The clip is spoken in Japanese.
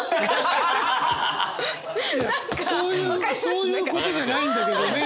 そういうことじゃないんだけどね。